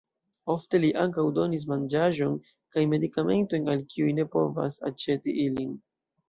Ofte li ankaŭ donis manĝaĵon kaj medikamentojn al kiuj ne povas aĉeti ilin.